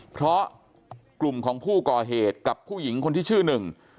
เพราะกลุ่มของผู้ก่อเหตุกับผู้หญิงคนที่ชื่อหนึ่ง